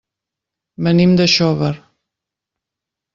Venim de Xóvar.